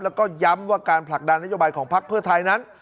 แล้วก็ย้ำว่าการผลักดันนโยบายของพักเพื่อไทยนั้น